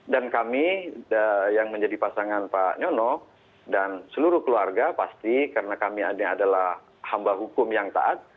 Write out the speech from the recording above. dan kami yang menjadi pasangan pak nyono dan seluruh keluarga pasti karena kami adalah hamba hukum yang taat